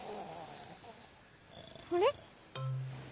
あれ？